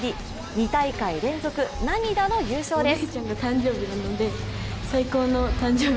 ２大会連続、涙の優勝です。